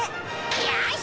よし！